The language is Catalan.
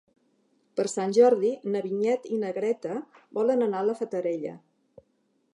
Per Sant Jordi na Vinyet i na Greta volen anar a la Fatarella.